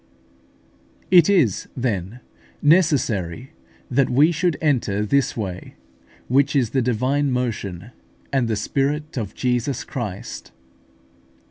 It is, then, necessary that we should enter this way, which is the divine motion, and the Spirit of Jesus Christ.